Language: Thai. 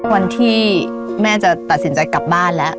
วันที่แม่จะตัดสินใจกลับบ้านแล้ว